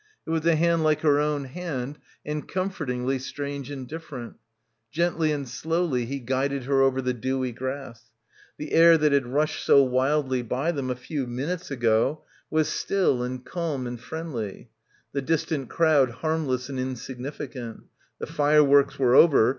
It was a hand like her own hand and comfortingly strange and different. Gently and slowly he guided her over the dewy grass. The air that had rushed so wildly by them a few minutes ago was still and calm and friendly; the distant crowd harmless and insignificant. The fireworks were over.